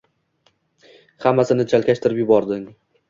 Hammasini chalkashtirib yubording...